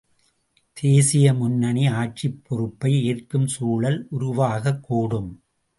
தேசீய முன்னணி ஆட்சிப் பொறுப்பை ஏற்கும் சூழல் உருவாகக் கூடும்!